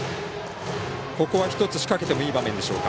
ここは１つ仕掛けてもいい場面でしょうか。